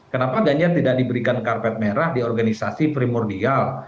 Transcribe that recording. kenapa ganjar tidak diberikan karpet merah di organisasi primordial